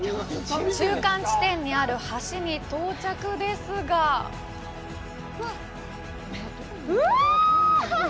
中間地点にある橋に到着ですがうわぁ！！